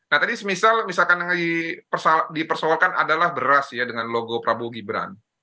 nah tadi misal misalkan yang dipersoalkan adalah beras ya dengan logo prabowo gibran